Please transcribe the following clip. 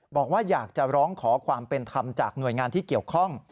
บอกว่าอยากจะร้องขอความเป็นธรรมจากหน่วยงานที่เกี่ยวข้อง